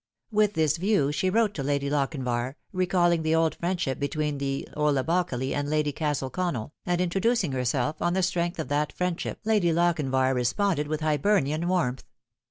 With this view she wrote to Lady Lochinvar, recalling the old friendship between The O'Labacolly and Lady Castle Gon nell, and introducing herself on the strength of that friendship Lady Lochinvar responded with Hibernian warmth.